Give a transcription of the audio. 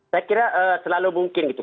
saya kira selalu mungkin gitu